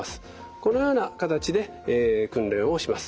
このような形で訓練をします。